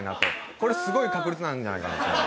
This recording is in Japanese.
これすごい確率なんじゃないかなと。